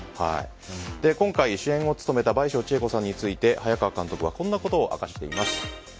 今回、主演を務めた倍賞千恵子さんについて早川監督はこんなことを明かしています。